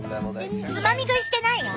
つまみ食いしてないよ。